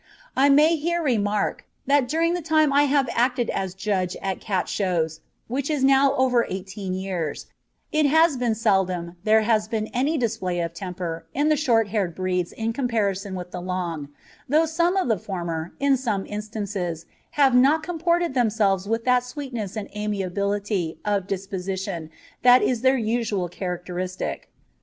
I may here remark, that during the time I have acted as judge at cat shows, which is now over eighteen years, it has been seldom there has been any display of temper in the short haired breeds in comparison with the long; though some of the former, in some instances, have not comported themselves with that sweetness and amiability of disposition that is their usual characteristic.